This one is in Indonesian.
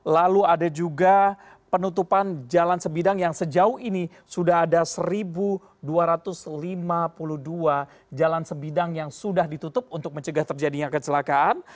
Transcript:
lalu ada juga penutupan jalan sebidang yang sejauh ini sudah ada satu dua ratus lima puluh dua jalan sebidang yang sudah ditutup untuk mencegah terjadinya kecelakaan